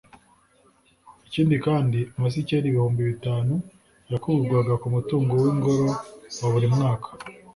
ikindi kandi, amasikeli ibihumbi bitanu yakurwaga ku mutungo w'ingoro wa buri mwaka